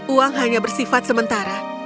uang hanya bersifat sementara